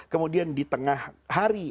kemudian di tengah hari